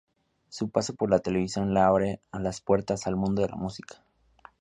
Su paso por la televisión le abre las puertas al mundo de la música.